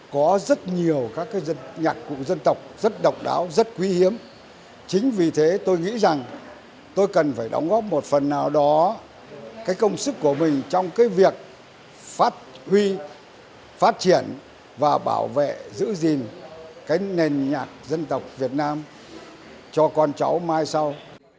công sức của mình trong việc phát huy phát triển và bảo vệ giữ gìn nền nhạc dân tộc việt nam cho con cháu mai sau